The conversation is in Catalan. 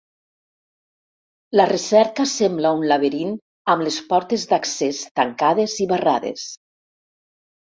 La recerca sembla un laberint amb les portes d'accés tancades i barrades.